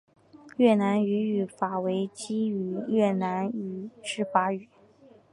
越南语语法为基于越南语之语法。